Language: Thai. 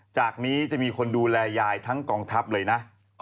จากนี้จะมีคนดูแลยายทั้งกองทัพเลยนะ